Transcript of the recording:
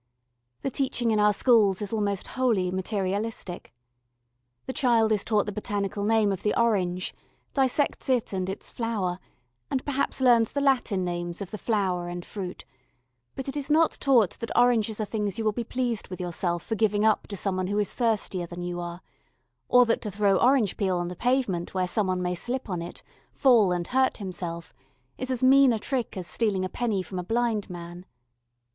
The teaching in our schools is almost wholly materialistic. The child is taught the botanical name of the orange dissects it and its flower and perhaps learns the Latin names of the flower and fruit; but it is not taught that oranges are things you will be pleased with yourself for giving up to some one who is thirstier than you are or that to throw orange peel on the pavement where some one may slip on it, fall and hurt himself, is as mean a trick as stealing a penny from a blind man.